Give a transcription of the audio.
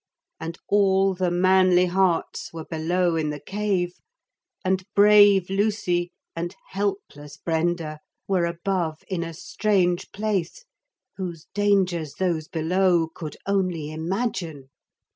And all the manly hearts were below in the cave, and brave Lucy and helpless Brenda were above in a strange place, whose dangers those below could only imagine.